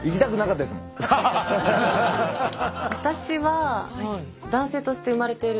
私は男性として生まれてるんですね